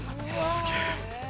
◆すげえ。